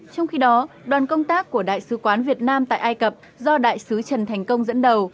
trong khi đó đoàn công tác của đại sứ quán việt nam tại ai cập do đại sứ trần thành công dẫn đầu